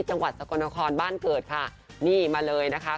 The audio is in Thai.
จังหวัดสกลนครบ้านเกิดค่ะนี่มาเลยนะคะ